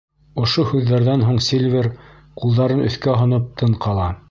Ошо һүҙҙәрҙән һуң Сильвер, ҡулдарын өҫкә һоноп, тын ҡала.